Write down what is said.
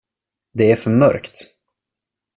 Det är för mörkt.